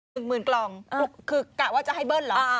หมื่นกล่องคือกะว่าจะให้เบิ้ลเหรอ